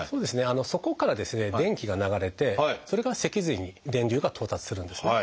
そこから電気が流れてそれが脊髄に電流が到達するんですね。